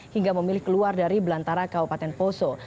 hingga memilih keluar dari belantara kabupaten poso